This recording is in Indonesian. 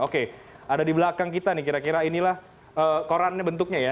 oke ada di belakang kita nih kira kira inilah korannya bentuknya ya